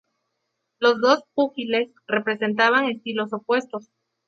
Los dos púgiles representaban estilos opuestos.